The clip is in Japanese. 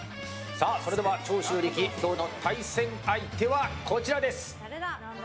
それでは、長州力今日の対戦相手はこちらです。